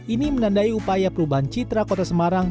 ini menandai upaya perubahan citra kota semarang